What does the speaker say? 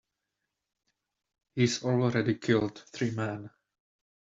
He's already killed three men.